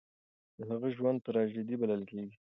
د هغه ژوند تراژيدي بلل کېږي.